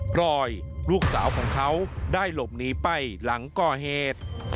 รอยลูกสาวของเขาได้หลบหนีไปหลังก่อเหตุ